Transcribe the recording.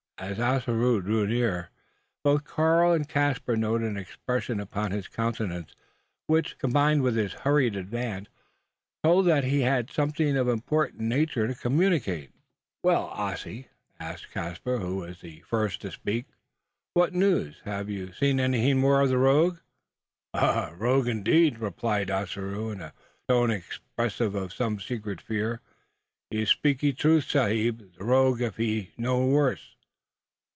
As Ossaroo drew near, both Karl and Caspar noticed an expression upon his countenance, which, combined with his hurried advance, told that he had something of an important nature to communicate. "Well, Ossy," asked Caspar, who was the first to speak, "what news? Have you seen anything more of the rogue?" "Ah, rogue indeed!" replied Ossaroo, in a tone expressive of some secret fear. "You speakee true, sahib; the rogue, if he no worse."